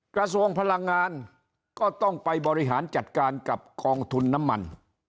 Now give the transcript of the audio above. กระทรวงพลังงานก็ต้องไปบริหารจัดการกับกองทุนน้ำมัน